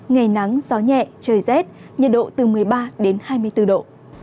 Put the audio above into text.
ngày nắng gió nhẹ trời rét nhiệt độ từ một mươi ba đến hai mươi bốn độ